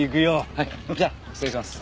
はいじゃあ失礼します。